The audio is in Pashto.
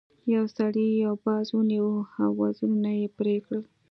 یو سړي یو باز ونیو او وزرونه یې پرې کړل.